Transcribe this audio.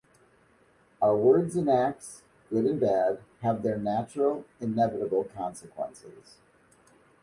Our words and acts, good and bad, have their natural, inevitable consequences.